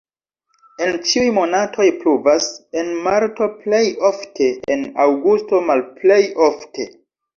En ĉiuj monatoj pluvas, en marto plej ofte, en aŭgusto malplej ofte.